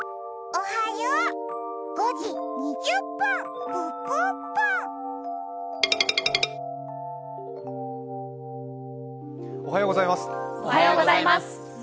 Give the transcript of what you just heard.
おはようございます。